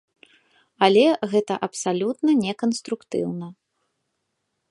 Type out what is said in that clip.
Але гэта абсалютна неканструктыўна.